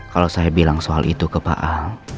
kalau saya bilang soal itu ke pak ahok